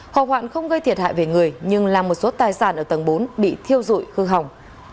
hỏa hoạn không gây thiệt hại về người nhưng làm một số tài sản ở tầng bốn bị thiêu dụi hư hỏng